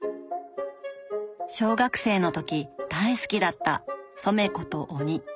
小学生の時大好きだった「ソメコとオニ」。